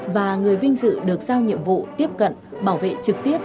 và người vinh dự được giao nhiệm vụ tiếp cận bảo vệ trực tiếp